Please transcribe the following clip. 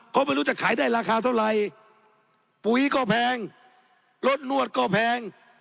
ก็ไม่รู้จะขายได้ราคาเท่าไหร่ปุ๋ยก็แพงรสนวดก็แพง